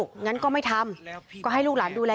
คุณสังเงียมต้องตายแล้วคุณสังเงียม